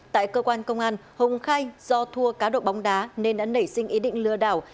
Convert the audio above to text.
tại cơ quan công an hùng khai do thua cá độ bóng đá nên đã nảy sinh ý định lừa đảo